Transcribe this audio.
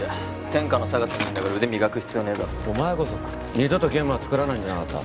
天下のＳＡＧＡＳにいんだから腕磨く必要ねえだろお前こそ二度とゲームは作らないんじゃなかった？